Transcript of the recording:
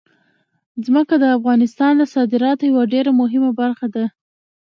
ځمکه د افغانستان د صادراتو یوه ډېره مهمه برخه ده.